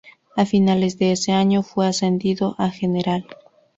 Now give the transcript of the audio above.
A finales de ese año, fue ascendido a general.